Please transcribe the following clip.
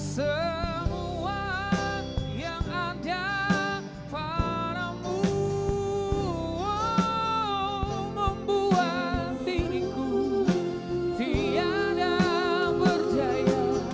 semua yang ada padamu membuat diriku tiada berdaya